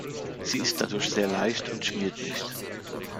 Sie ist dadurch sehr leicht und schmiert nicht.